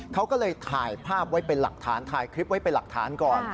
เขาก็เลยถ่ายภาพไว้เป็นหลักฐานถ่ายคลิปไว้เป็นหลักฐานก่อน